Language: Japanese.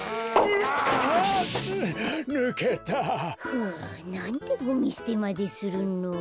ふうなんでゴミすてまでするの。